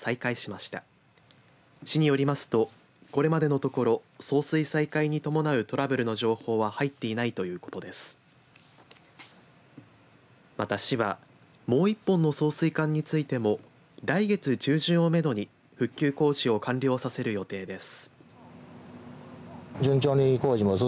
また市はもう１本の送水管についても来月中旬をめどに、復旧工事を完了させる予定です。